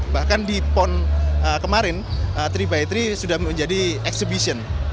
bahkan di pon kemarin tiga x tiga sudah menjadi exhibition